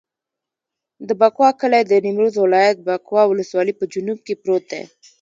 د بکوا کلی د نیمروز ولایت، بکوا ولسوالي په جنوب کې پروت دی.